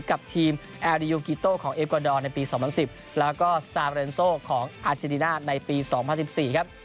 กับทีมแอลดิยูกิโต้ของเอฟวาดอร์ในปี๒๐๑๐แล้วก็สตาร์เรนโซของอาเจนติน่าในปี๒๐๑๔ครับ